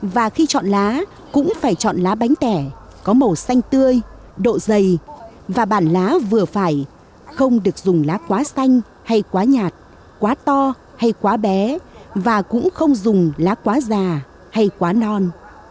và khi chọn lá cũng phải chọn lá bánh tẻ có màu xanh tươi độ dày và bản lá vừa phải không được dùng lá quá xanh hay quá nhạt quá to hay quá bé và cũng không dùng lá quá già hay quá non